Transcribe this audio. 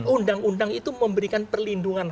undang undang itu memberikan perlindungan